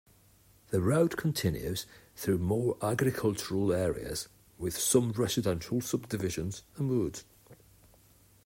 The road continues through more agricultural areas with some residential subdivisions and woods.